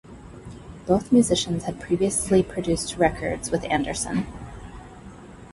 Both musicians had previously produced records with Anderson.